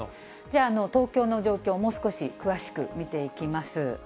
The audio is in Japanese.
東京の状況、もう少し詳しく見ていきます。